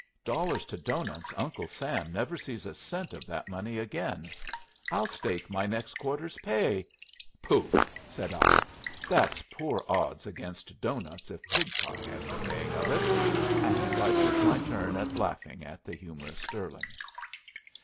Dollars to doughnuts Uncle Sam never sees a cent of that money again. I'll stake my next quarter's pay " "Pooh!" said I. "That's poor odds against doughnuts if Pidcock has the paying of it." And I took my turn at laughing at the humorous Stirling.